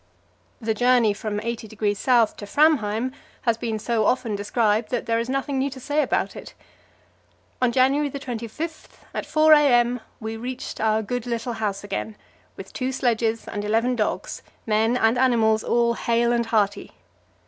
The journey from 80° S. to Framheim has been so often described that there is nothing new to say about it. On January 25, at 4 a.m., we reached our good little house again, with two sledges and eleven dogs; men and animals all hale and hearty.